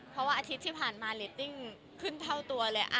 เพราะว่าอาทิตย์ที่ผ่านมาเรตติ้งขึ้นเท่าตัวเลย